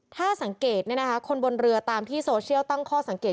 ถ้าสังเกตคนบนเรือตามที่โซเชียลตั้งข้อสังเกต